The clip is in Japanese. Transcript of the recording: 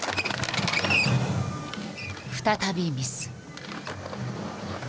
再びミス。